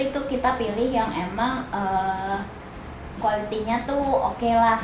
itu kita pilih yang emang quality nya tuh oke lah